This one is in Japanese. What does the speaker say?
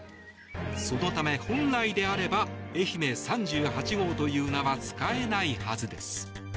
そのため、本来であれば愛媛３８号という名は使えないはずです。